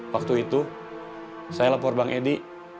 waktu itu saya lapor bang edi